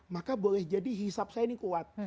maka boleh jadi hisap saya ini kuat